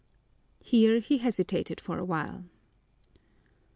Here he hesitated for a while.